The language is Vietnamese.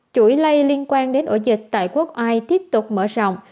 chủi lây liên quan đến ổ dịch tại quốc oai tiếp tục mở rộng